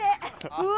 うわ！